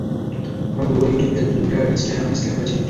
আমরা Google, YouTube, Facebook, Twitter আর ইন্সটাগ্রামও স্ক্যান করেছি।